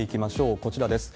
こちらです。